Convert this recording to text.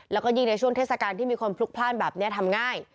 แล้วก็ยิ่งในช่วงเทศกาลที่มีคนพลุกพลาดแบบนี้ทำง่าย